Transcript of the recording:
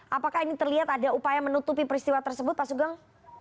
apakah ini terlihat ada upaya menutupi peristiwa tersebut pak sugeng